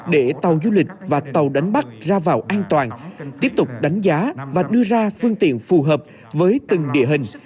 để tàu du lịch và tàu đánh bắt ra vào an toàn tiếp tục đánh giá và đưa ra phương tiện phù hợp với từng địa hình